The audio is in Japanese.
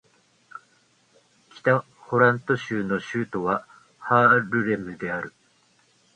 北ホラント州の州都はハールレムである